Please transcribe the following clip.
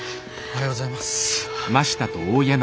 おはようございます。